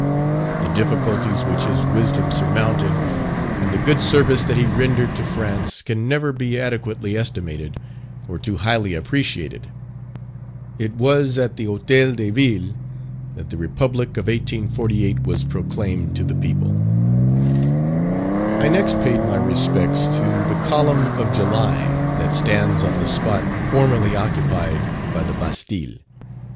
The difficulties which his wisdom surmounted, and the good service that he rendered to France, can never be adequately estimated or too highly appreciated. It was at the Hotel de Ville that the Republic of 1848 was proclaimed to the people. I next paid my respects to the Column of July that stands on the spot formerly occupied by the Bastile.